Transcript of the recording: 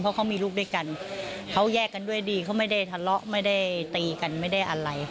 เพราะเขามีลูกด้วยกันเขาแยกกันด้วยดีเขาไม่ได้ทะเลาะไม่ได้ตีกันไม่ได้อะไร